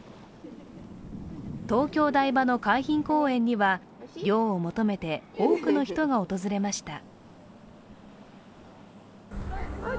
東京・台場の海浜公園には涼を求めて多くの人が訪れました。